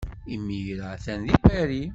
Imir-a atan deg Paris.